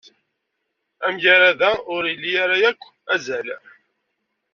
Amagrad-a ur ili ara akk azal.